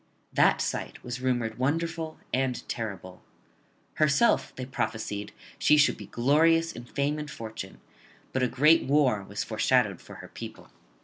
That sight was rumoured wonderful and terrible. Herself, they prophesied, she should be glorious in fame and fortune; but a great war was foreshadowed for her people.